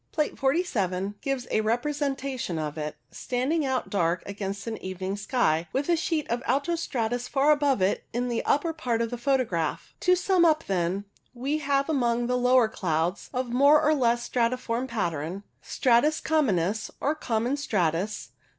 Plate 47 gives a repre sentation of it, standing out dark against an evening sky, with a sheet of alto stratus far above it in the upper part of the photograph. To sum up, then, we have among the lower clouds of more or less stratiform pattern — Stratus communis, or Common stratus.